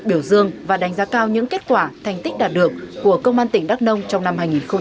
biểu dương và đánh giá cao những kết quả thành tích đạt được của công an tỉnh đắk nông trong năm hai nghìn hai mươi ba